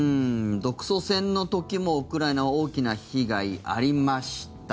独ソ戦の時もウクライナは大きな被害ありました。